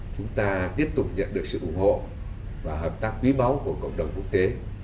chúng ta tiếp tục nhận được sự ủng hộ và hợp tác quý báu của cộng đồng quốc tế